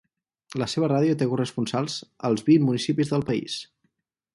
La seva ràdio té corresponsals als vint municipis del país.